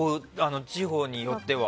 地方によっては。